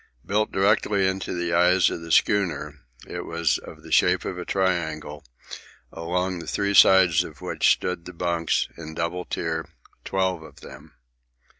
Built directly in the eyes of the schooner, it was of the shape of a triangle, along the three sides of which stood the bunks, in double tier, twelve of them.